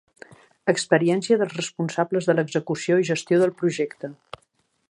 Experiència dels responsables de l'execució i gestió del projecte.